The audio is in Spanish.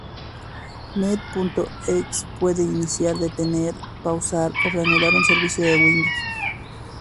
Net.exe puede iniciar, detener, pausar o reanudar un servicio de Windows.